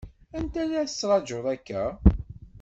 Anta i la tettṛaǧu akka?